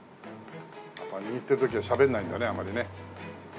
やっぱ握ってる時はしゃべんないんだねあんまりね。